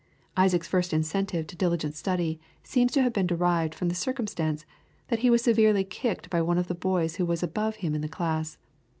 Isaac's first incentive to diligent study seems to have been derived from the circumstance that he was severely kicked by one of the boys who was above him in the class.